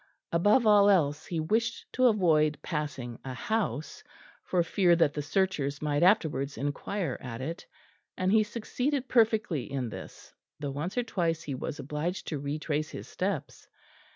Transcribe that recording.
Above all else he wished to avoid passing a house, for fear that the searchers might afterwards inquire at it; and he succeeded perfectly in this, though once or twice he was obliged to retrace his steps.